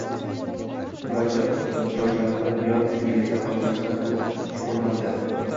Va Jonatan shu yerda qolib, Yoshlar bilan shug‘ullandi.